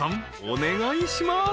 お願いします］